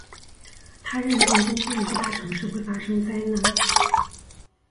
他认定东方一个大城市会发生灾难。